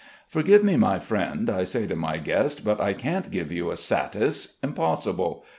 "Forgive me, my friend," I say to my guest. "But I can't give you a 'satis' impossible.